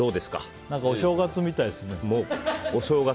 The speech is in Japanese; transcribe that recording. お正月みたいですね。